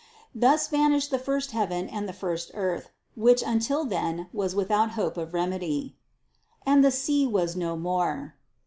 Thus vanished the first heaven and the first earth, which until then was without hope of remedy. "And the sea was no more."